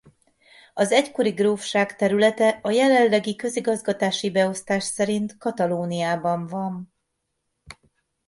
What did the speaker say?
Az egykori grófság területe a jelenlegi közigazgatási beosztás szerint Katalóniában van.